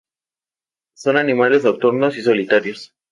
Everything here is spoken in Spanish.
Son animales nocturnos y solitarios.